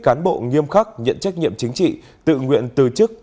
cán bộ nghiêm khắc nhận trách nhiệm chính trị tự nguyện từ chức